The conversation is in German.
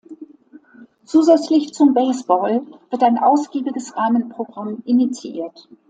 Zusätzlich zum Baseball wird ein ausgiebiges Rahmenprogramm initiiert.